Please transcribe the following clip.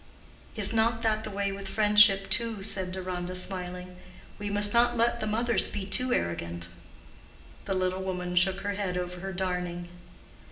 "Is not that the way with friendship, too?" said Deronda, smiling. "We must not let the mothers be too arrogant." The little woman shook her head over her darning.